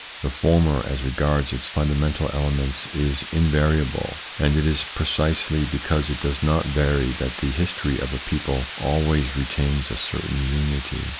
The former, as regards its fundamental elements, is invariable, and it is pre cisely because it does not vary that the history of a people always retains a certain unity.